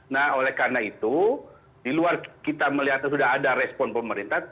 nah oleh karena itu di luar kita melihat sudah ada respon pemerintah